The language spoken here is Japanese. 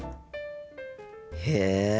へえ。